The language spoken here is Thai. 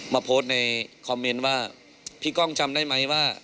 มาโพสต์ในคอมเมนต์ว่าพี่ก้องจำได้ไหมว่า